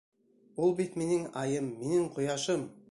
Ул бит минең айым, минең ҡояшым!